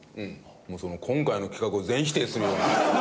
今回の企画を全否定するような。